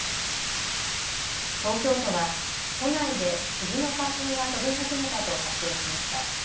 東京都は都内でスギの花粉が飛び始めたと発表しました。